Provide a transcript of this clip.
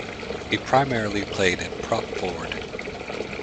He primarily played at prop-forward.